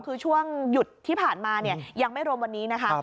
คือช่วงหยุดที่ผ่านมายังไม่รวมวันนี้นะคะ